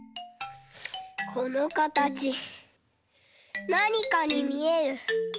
このかたちなにかにみえる。